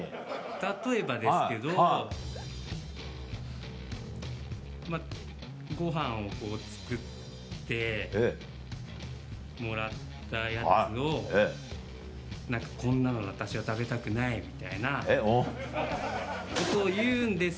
例えばですけどごはんを作ってもらったやつを「こんなの私は食べたくない」みたいなことを言うんですけど。